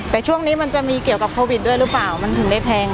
แต่ช่วงนี้มันจะมีเกี่ยวกับโควิดด้วยหรือเปล่ามันถึงได้แพง